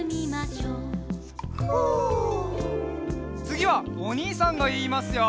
つぎはおにいさんがいいますよ。